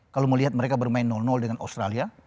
kalau melihat mereka bermain dengan australia